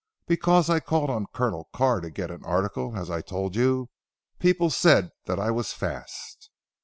Because I called on Colonel Carr to get an article as I told you, people said that I was fast."